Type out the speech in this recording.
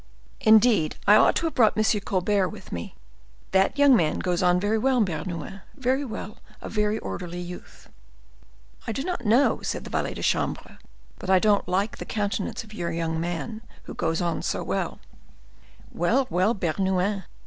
Indeed, I ought to have brought M. Colbert with me. That young man goes on very well, Bernouin, very well; a very orderly youth." "I do not know," said the valet de chambre, "but I don't like the countenance of your young man who goes on so well." "Well, well, Bernouin!